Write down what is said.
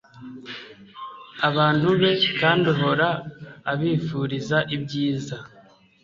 abantu be kandi uhora abifuriza ibyiza